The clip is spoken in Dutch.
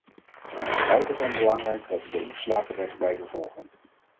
Het is buitengewoon belangrijk dat we de ingeslagen weg blijven volgen.